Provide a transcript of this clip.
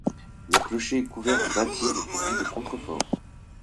Le clocher est couvert en bâtière et pourvu de contreforts.